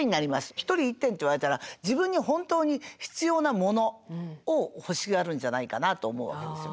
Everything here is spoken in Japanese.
１人１点って言われたら自分に本当に必要なものを欲しがるんじゃないかなと思うわけですよ。